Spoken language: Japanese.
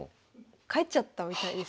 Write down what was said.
帰っちゃったみたいですね。